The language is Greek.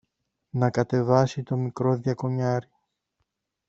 να κατεβάσει το μικρό διακονιάρη